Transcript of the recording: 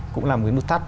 cũng là một cái nút thắt